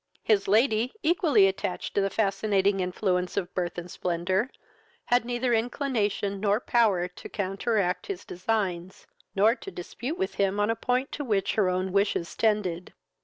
His lady, equally attached to the fascinating influence of birth and splendor, had neither inclination nor power to counteract his designs, nor to dispute with him on a point to which her own wishes tended.